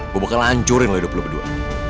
gue bakal hancurin lo hidup lo berdua